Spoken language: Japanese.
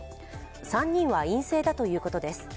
３人は陰性だということです。